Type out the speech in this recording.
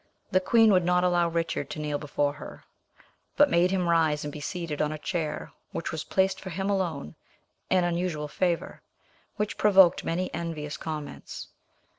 The queen would not allow Richard to kneel before her, but made him rise and be seated on a chair which was placed for him alone, an unusual favour, which provoked many envious comments.